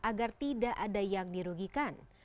agar tidak ada yang dirugikan